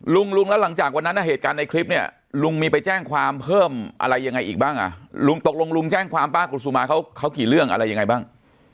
ลุงลุงแล้วหลังจากวันนั้นเหตุการณ์ในคลิปเนี่ยลุงมีไปแจ้งความเพิ่มอะไรยังไงอีกบ้างอ่ะลุงตกลงลุงแจ้งความป้ากุศุมาเขากี่เรื่องอะไรยังไงบ้าง